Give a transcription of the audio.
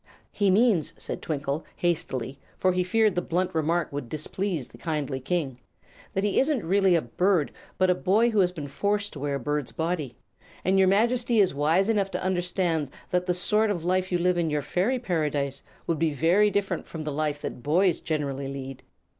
"He means," said Twinkle, hastily, for she feared the blunt remark would displease the kindly King, "that he isn't really a bird, but a boy who has been forced to wear a bird's body. And your Majesty is wise enough to understand that the sort of life you lead in your fairy paradise would be very different from the life that boys generally lead."